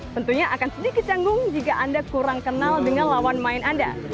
tentunya akan sedikit canggung jika anda kurang kenal dengan lawan main anda